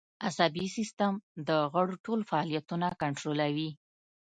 عصبي سیستم د غړو ټول فعالیتونه کنترولوي